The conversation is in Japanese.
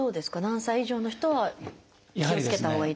何歳以上の人は気をつけたほうがいいとか。